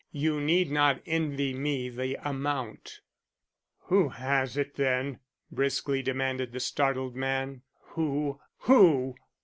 "You need not envy me the amount." "Who has it then?" briskly demanded the startled man. "Who? who?